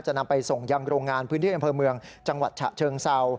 นำไปส่งยังโรงงานพื้นที่อำเภอเมืองจังหวัดฉะเชิงเศร้า